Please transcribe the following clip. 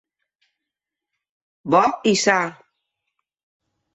Bo i sa.